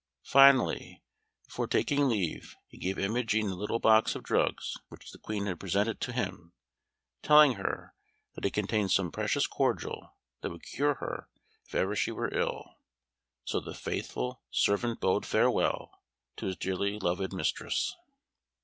Finally, before taking leave, he gave Imogen the little box of drugs which the Queen had presented to him, telling her that it contained some precious cordial that would cure her if ever she were ill. So the faithful servant bade farewell to his dearly loved mistress.